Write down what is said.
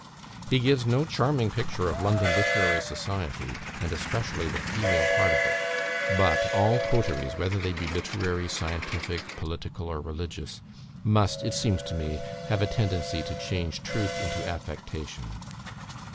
"He gives no charming picture of London literary society, and especially the female part of it; but all coteries, whether they be literary, scientific, political, or religious, must, it seems to me, have a tendency to change truth into affectation.